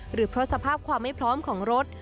หรือเพราะสภาพความไม่พร้อมของรถ